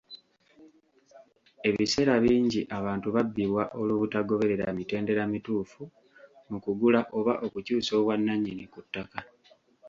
Ebiseera bingi abantu babbibwa olwobutagoberera mitendera mituufu mu kugula oba okukyusa obwannannyini ku ttaka.